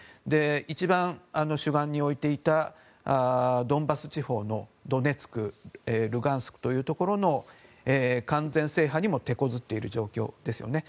一番主眼に置いていたドンバス地方のドネツクルハンシクというところの完全制覇にも手こずっている状況ですよね。